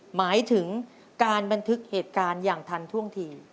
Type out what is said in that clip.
หมายถึงการบันทึกเหตุการณ์อย่างทันท่วงที